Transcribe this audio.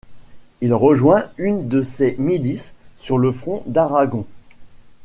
Il rejoint une de ces milices sur le front d'Aragon.